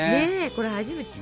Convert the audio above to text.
これ初めて。